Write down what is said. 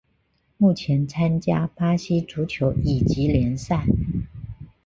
目前参加巴西足球乙级联赛。